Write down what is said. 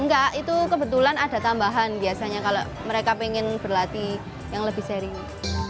enggak itu kebetulan ada tambahan biasanya kalau mereka ingin berlatih yang lebih serius